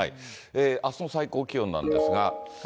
あすの最高気温なんですが。